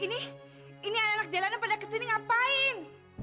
ini ini anak anak jalanan pada kesini ngapain